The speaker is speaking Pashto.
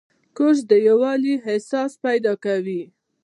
کورس د یووالي احساس پیدا کوي.